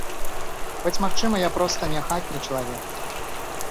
Хоць, магчыма, я проста не хатні чалавек.